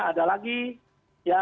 ada lagi ya